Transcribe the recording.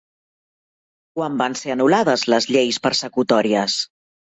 Quan van ser anul·lades les lleis persecutòries?